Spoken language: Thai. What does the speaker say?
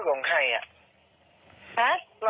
ต้นขั้นของใคร